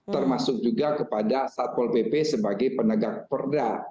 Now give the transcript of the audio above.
termasuk juga kepada satpol pp sebagai penegak perda